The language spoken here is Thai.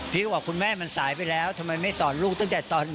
บอกคุณแม่มันสายไปแล้วทำไมไม่สอนลูกตั้งแต่ตอน